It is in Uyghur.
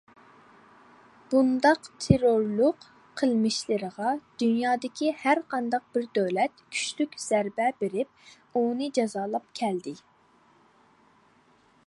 بۇنداق تېررورلۇق قىلمىشلىرىغا دۇنيادىكى ھەر قانداق بىر دۆلەت كۈچلۈك زەربە بېرىپ، ئۇنى جازالاپ كەلدى.